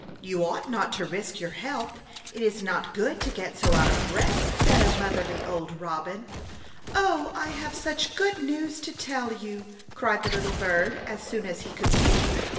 You ought not to risk your health ; it is not good to get so out of breath," said a motherly old robin. " Oh ! I have such good news to •".> A Chautauqua Idyl. 67 tell you," cried the little bird as soon as he could speak.